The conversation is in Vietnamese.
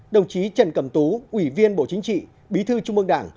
đồng chí trần cẩm tú ủy viên bộ chính trị bí thư trung mương đảng